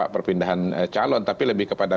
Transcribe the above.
perpindahan calon tapi lebih kepada